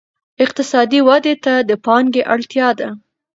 اقتصادي ودې ته د پانګې اړتیا ده.